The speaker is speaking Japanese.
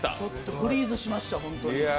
フリーズしました本当に。